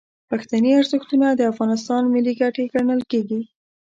پښتني ارزښتونه د افغانستان ملي ګټې ګڼل کیږي.